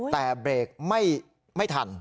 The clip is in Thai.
แต่เบรกไม่ทัน